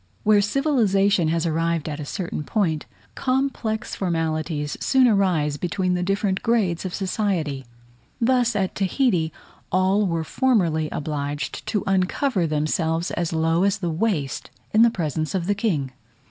Where civilization has arrived at a certain point, complex formalities soon arise between the different grades of society: thus at Tahiti all were formerly obliged to uncover themselves as low as the waist in presence of the king.